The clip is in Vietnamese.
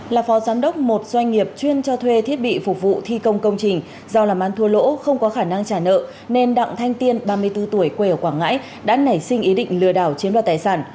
là phó giám đốc một doanh nghiệp chuyên cho thuê thiết bị phục vụ thi công công trình do làm ăn thua lỗ không có khả năng trả nợ nên đặng thanh tiên ba mươi bốn tuổi quê ở quảng ngãi đã nảy sinh ý định lừa đảo chiếm đoạt tài sản